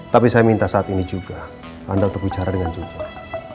tapi saya minta saat ini juga anda untuk bicara dengan jujur